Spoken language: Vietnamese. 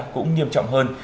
cũng nghiêm trọng hơn